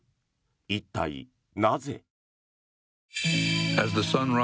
一体、なぜ？